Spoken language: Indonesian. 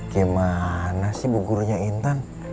gimana sih bu gurunya intan